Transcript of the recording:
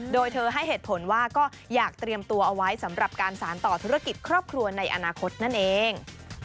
โดยเธอให้เหตุผลว่าก็อยากเตรียมตัวเอาไว้สำหรับการสารต่อธุรกิจครอบครัวในอนาคตนั่นเอง